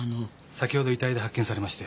先ほど遺体で発見されまして。